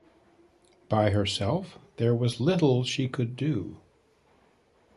By herself, there was little she could do.